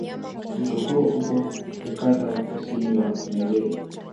Mto huo upo ukanda wa kusini mwa Nigeria.